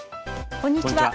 こんにちは。